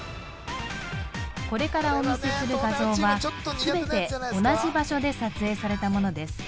これからお見せする画像は全て同じ場所で撮影されたものです